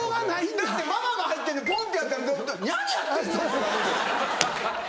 だってママが入ってるのにポンってやったら「何やってんの！」って言われる。